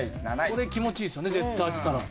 これ気持ちいいですよね絶対当てたら。